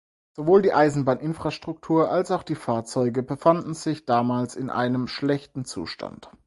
Sowohl die Eisenbahninfrastruktur als auch die Fahrzeuge befanden sich damals in einem schlechten Zustand.